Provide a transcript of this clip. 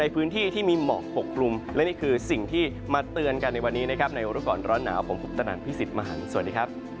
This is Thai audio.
โปรดติดตามตอนต่อไป